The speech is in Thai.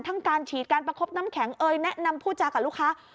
ทั้งการฉีดการประคบน้ำแข็งแนะนำผู้จากกับลูกค้า